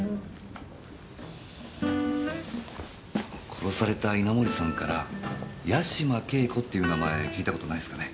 殺された稲盛さんから八島景子っていう名前聞いた事ないすかね？